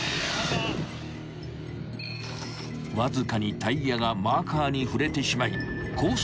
［わずかにタイヤがマーカーに触れてしまいコース